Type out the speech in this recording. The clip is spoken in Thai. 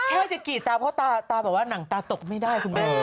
แค่จะกี่ตาเพราะตาตาบอกว่าหนังตาตกไม่ได้คุณแม่